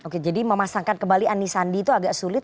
oke jadi memasangkan kembali ani sandi itu agak sulit